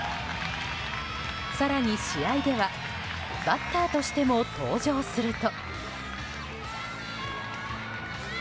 更に、試合ではバッターとしても登場すると。